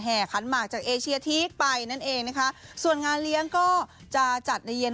ขันหมากจากเอเชียทีกไปนั่นเองนะคะส่วนงานเลี้ยงก็จะจัดในเย็น